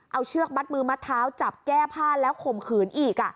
เอาเชือกมัดมือมัดเท้าจับแก้ผ้าแล้วข่มขืนอีก